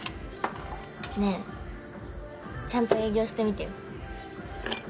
ねえちゃんと営業してみてよ。